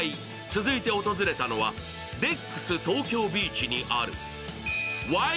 続いて訪れたのはデックス東京ビーチにある、ＷＩＬＤ−１。